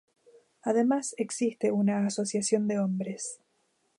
Además, existe una Asociación de Hombres.